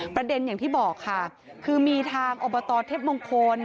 ประเด็นอย่างที่บอกค่ะคือมีทางอเทพมงคล